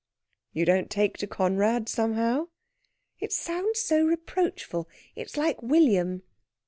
"You don't take to Conrad, somehow?" "It sounds so reproachful. It's like William."